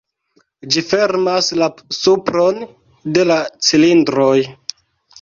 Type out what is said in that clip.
Ĝi fermas la supron de la cilindroj.